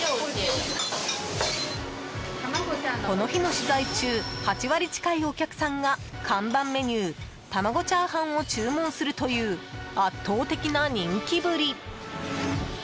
この日の取材中８割近いお客さんが看板メニュー、玉子チャーハンを注文するという圧倒的な人気ぶり。